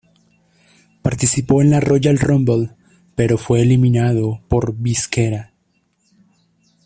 Participó en la Royal Rumble, pero fue eliminado por Viscera.